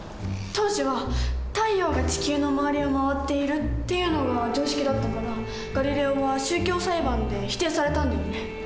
当時は「太陽が地球の周りを回っている」っていうのが常識だったからガリレオは宗教裁判で否定されたんだよね。